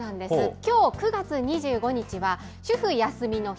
きょう９月２５日は、主婦休みの日。